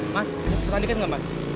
mas pertanian gak mas